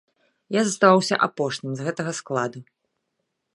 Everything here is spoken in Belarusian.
Я заставаўся апошнім з гэтага складу.